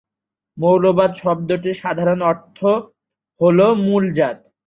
মৌলবাদ শব্দটির সাধারণ অন্য অর্থ হল মূলজাত।